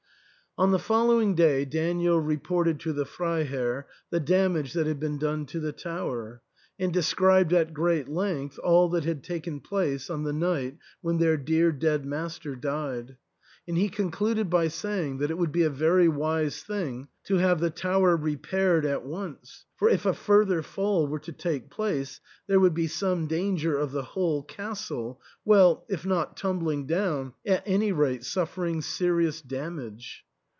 On the following day Daniel reported to the Freiherr the damage that had been done to the tower, and de scribed at great length all that had taken place on the night when their dear dead master died ; and he con cluded by saying that it would be a very wise thing to have the tower repaired at once, for, if a further fall were to take place, there would be some danger of the whole castle — well, if not tumbling down, at any rate suffering serious damage.